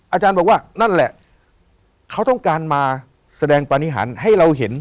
อาจารย์บอกว่านั่นแหละเขาต้องการมาแสดงปฏิหารให้เราเห็น